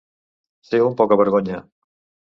Ser un pocavergonya.